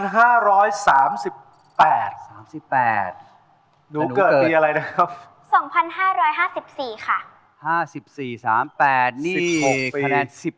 หนูเกิดปีอะไรนะครับ